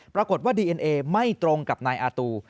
ปรากฏว่าดีเอ็นเอไม่ตรงกับนายอาตู